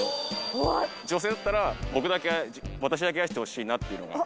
女性だったら僕だけ私だけ愛してほしいなっていうのが。